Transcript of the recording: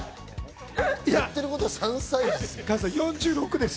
やってることは３歳児です。